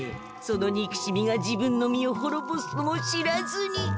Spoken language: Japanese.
そのにくしみが自分の身をほろぼすとも知らずに。